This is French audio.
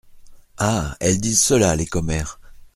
Ah ! elles disent cela, les commères ?